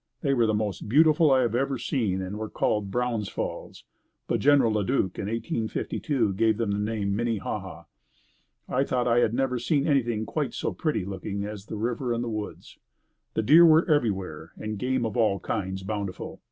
They were the most beautiful I had ever seen and were called Brown's Falls, but General LeDuc in 1852 gave them the name Minnehaha. I thought I had never seen anything quite so pretty looking as the river and woods. The deer were everywhere and game of all kinds bountiful.